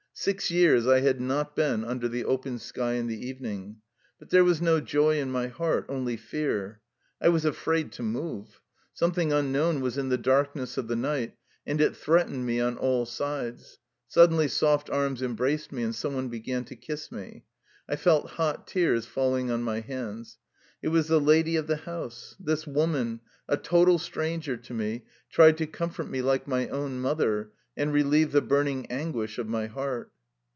Six years I had not been under the open sky in the evening. But there was no joy in my heart, only fear. I was afraid to move. Something unknown was in the darkness of the night, and it threatened me on all sides. Suddenly soft arms embraced me and some one began to kiss me. I felt hot tears falling on my hands. It was the lady of the house. This woman, a total stranger to me, tried to comfort me like my own mother, and relieve the burning anguish of my heart.